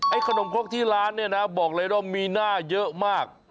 ขนมครกที่ร้านเนี่ยนะบอกเลยว่ามีหน้าเยอะมาก